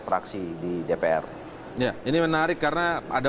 fraksi di dpr ini menarik karena ada